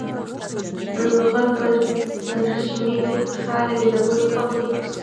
غل په ترږمۍ کې خوشحاله وي د بدو خلکو فرصت ښيي